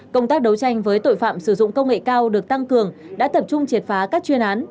công tác đấu tranh với tội phạm sử dụng công nghệ cao được tăng cường đã tập trung triệt phá các chuyên án